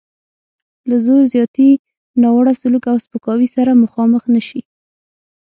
له زور زیاتي، ناوړه سلوک او سپکاوي سره مخامخ نه شي.